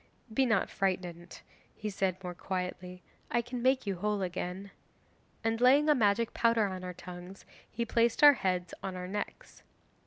'"Be not frightened," he said more quietly, "I can make you whole again," and laying a magic powder on our tongues he placed our heads on our necks.